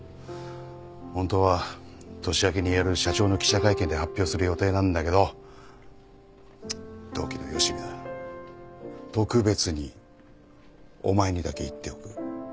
本当は年明けにやる社長の記者会見で発表する予定なんだけど同期のよしみだ特別にお前にだけ言っておく。